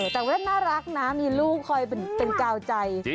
แต่ว่าน่ารักนะมีลูกคอยเป็นกาวใจ